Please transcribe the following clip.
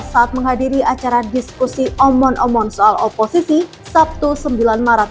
saat menghadiri acara diskusi omon omon soal oposisi sabtu sembilan maret dua ribu dua puluh empat